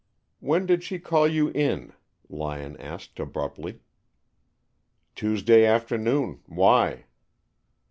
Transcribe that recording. "When did she call you in?" Lyon asked abruptly. "Tuesday afternoon. Why?"